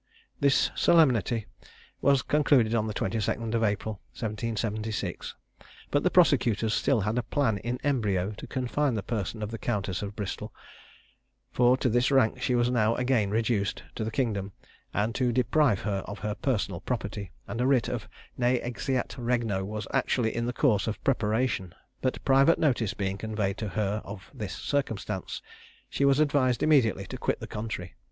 This solemnity was concluded on the 22nd of April, 1776; but the prosecutors still had a plan in embryo to confine the person of the Countess of Bristol, for to this rank she was now again reduced, to the kingdom, and to deprive her of her personal property; and a writ of ne exeat regno was actually in the course of preparation: but private notice being conveyed to her of this circumstance, she was advised immediately to quit the country.